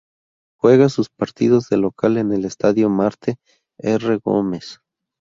Juega sus partidos de local en el Estadio Marte R. Gómez.